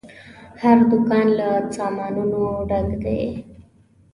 هر دوکان له سامانونو ډک دی.